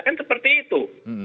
kan seperti itu